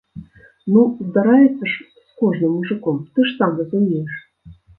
Ну, здараецца ж з кожным мужыком, ты ж сам разумееш.